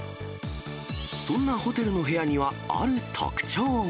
そんなホテルの部屋には、ある特徴が。